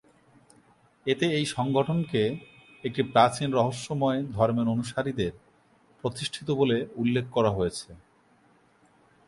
এতে এই সংগঠনকে একটি প্রাচীন রহস্যময় ধর্মের অনুসারীদের প্রতিষ্ঠিত বলে উল্লেখ করা হয়েছে।